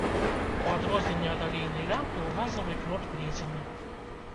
У адрозненне ад алейнай лямпы, у газавай кнот плецены.